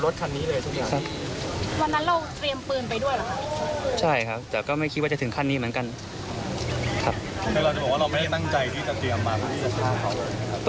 แต่เราจะบอกว่าเราไม่ได้ตั้งใจที่จะเตรียมมาพื้นเขาเลยนะครับ